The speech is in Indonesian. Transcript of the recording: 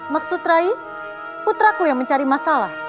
maksud rai putraku yang mencari masalah